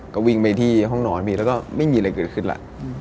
ก็วิ่งไปที่ห้องนอนมีแล้วก็ไม่มีอะไรเกิดขึ้นแล้ว